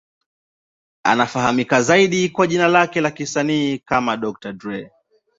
Anafahamika zaidi kwa jina lake la kisanii kama Dr. Dre.